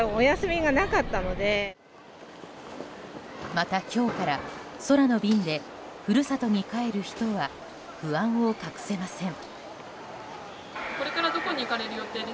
また、今日から空の便で故郷に帰る人は不安を隠せません。